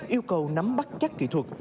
yêu cầu nắm bắt chắc kỹ thuật